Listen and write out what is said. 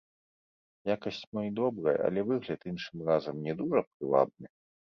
Якасць мо і добрая, але выгляд іншым разам не дужа прывабны.